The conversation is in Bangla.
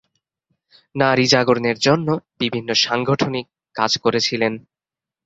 নারী জাগরণের জন্য বিভিন্ন সাংগঠনিক কাজ করেছিলেন।